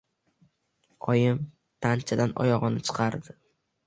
Oyim tanchadan oyog‘ini chiqardi.